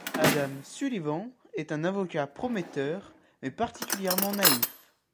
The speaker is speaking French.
Adam Sullivan est un avocat prometteur, mais particulièrement naïf.